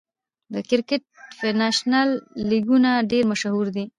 د کرکټ فینانشل لیګونه ډېر مشهور دي.